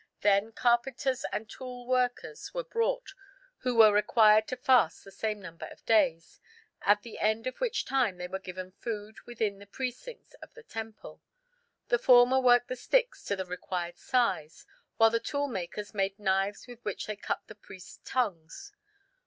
Then carpenters and tool workers were brought, who were required to fast the same number of days, at the end of which time they were given food within the precincts of the temple. The former worked the sticks to the required size while the tool makers made knives with which they cut the priests' tongues.